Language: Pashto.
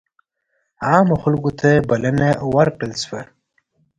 عامو خلکو ته بلنه ورکړل شوه.